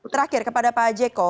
terakhir kepada pak ajeko